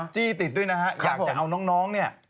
จี้ติดด้วยนะฮะอยากจะเอาน้องเนี่ย